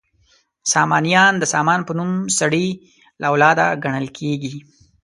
سامانیان د سامان په نوم سړي له اولاده ګڼل کیږي.